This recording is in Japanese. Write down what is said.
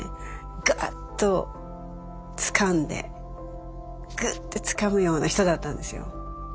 ガッとつかんでグッてつかむような人だったんですよ。